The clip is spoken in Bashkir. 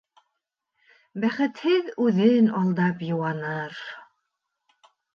Бәхетһеҙ үҙен алдап йыуаныр.